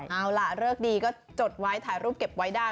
เอาล่ะเลิกดีก็จดไว้ถ่ายรูปเก็บไว้ได้